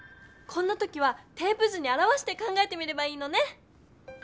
こんなときはテープ図にあらわして考えてみればいいのね！